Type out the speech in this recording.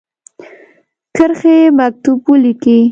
کرښې مکتوب ولیکی.